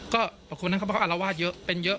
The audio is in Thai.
ก็บอกคุณนะครับเขาอารวาสเยอะเป็นเยอะ